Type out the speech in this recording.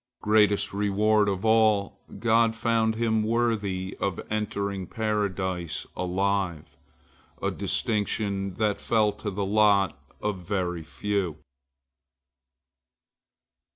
Greatest reward of all, God found him worthy of entering Paradise alive, a distinction that fell to the lot of very few.